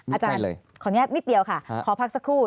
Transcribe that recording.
อาจารย์ขออนุญาตนิดเดียวค่ะขอพักสักครู่